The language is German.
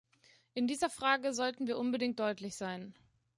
In dieser Frage sollten wir unbedingt deutlich sein.